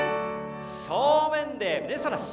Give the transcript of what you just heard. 正面で胸そらし。